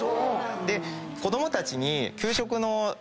で子供たちに。